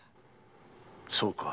そうか。